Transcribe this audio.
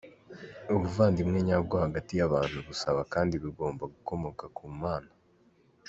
Ubuvandimwe nyabwo hagati y’abantu busaba kandi bugomba gukomoka ku Mana.